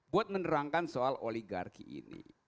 buat menerangkan soal oligarki ini